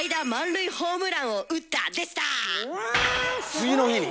次の日に？